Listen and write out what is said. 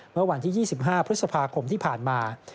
เมื่อวันที่๒๕พฤษภาคมที่ผ่านมา